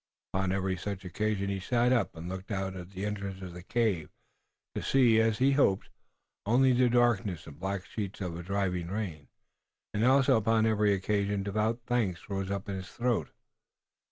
Upon every such occasion he sat up and looked out at the entrance of the cave, to see, as he had hoped, only the darkness and black sheets of driving rain, and also upon every occasion devout thanks rose up in his throat.